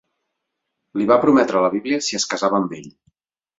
Li va prometre la Bíblia si es casava amb ell.